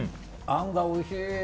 あんがおいしい。